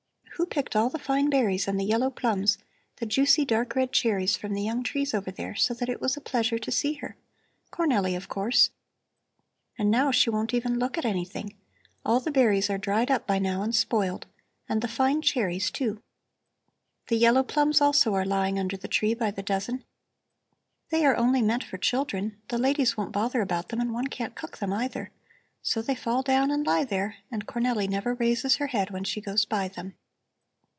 "Who picked all the fine berries and the yellow plums, the juicy, dark red cherries from the young trees over there, so that it was a pleasure to see her? Cornelli, of course! And now she won't even look at anything. All the berries are dried up by now and spoiled, and the fine cherries, too. The yellow plums, also, are lying under the tree by the dozen. They are only meant for children; the ladies won't bother about them and one can't cook them, either. So they fall down and lie there, and Cornelli never raises her head when she goes by them."